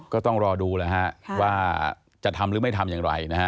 ก็ต้องรอดูแล้วฮะว่าจะทำหรือไม่ทำอย่างไรนะฮะ